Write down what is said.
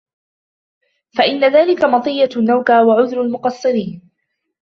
فَإِنَّ ذَلِكَ مَطِيَّةُ النَّوْكَى وَعُذْرُ الْمُقَصِّرِينَ